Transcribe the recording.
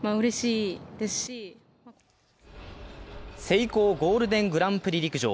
セイコーゴールデングランプリ陸上。